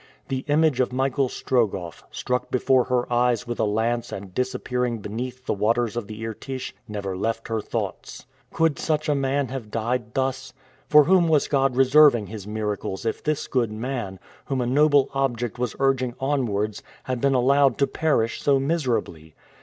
The image of Michael Strogoff, struck before her eyes with a lance and disappearing beneath the waters of the Irtych, never left her thoughts. Could such a man have died thus? For whom was God reserving His miracles if this good man, whom a noble object was urging onwards, had been allowed to perish so miserably?